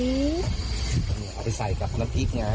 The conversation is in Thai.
เอาไปใส่กับน้ำพริกไง